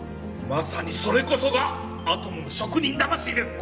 まさにそれこそがアトムの職人魂です！